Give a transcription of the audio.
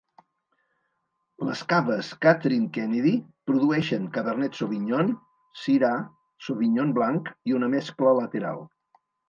Les caves Kathryn Kennedy produeixen Cabernet Sauvignon, Syrah, Sauvignon blanc i una mescla Lateral.